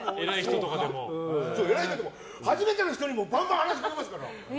初めての人にもバンバン話しかけますから。